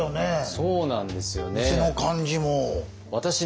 そうなんですよね。